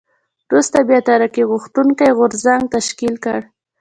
وروسته بیا ترقي غوښتونکی غورځنګ تشکیل کړ.